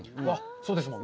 そうですもんね。